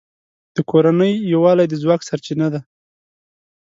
د کورنۍ یووالی د ځواک سرچینه ده.